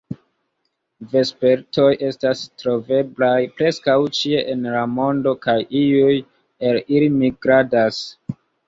Vespertoj estas troveblaj preskaŭ ĉie en la mondo, kaj iuj el ili migradas.